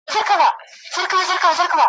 توري د پنځو زرو کلونو زنګ وهلي دي ,